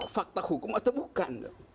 fakta hukum atau bukan